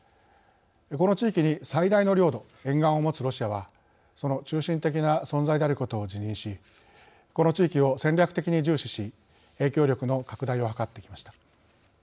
この地域に最大の領土沿岸を持つロシアはその中心的な存在であることを自任しこの地域を戦略的に重視し影響力の拡大を図ってきました。